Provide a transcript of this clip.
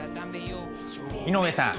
井上さん